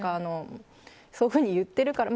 そういうふうに言ってるから。